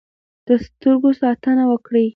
د سترګو ساتنه وکړئ.